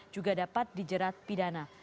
juga dapat dijerat pidana